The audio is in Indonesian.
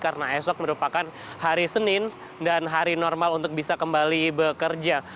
karena esok merupakan hari senin dan hari normal untuk bisa kembali bekerja